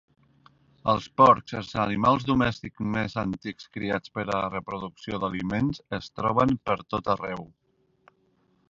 Els porcs, els animals domèstics més antics criats per a la producció d'aliments, es troben pertot arreu.